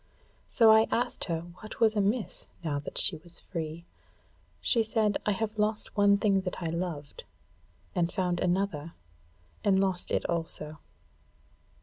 So I asked her what was amiss now that she was free. She said: 'I have lost one thing that I loved, and found another and lost it also.'